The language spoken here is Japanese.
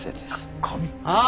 ああ！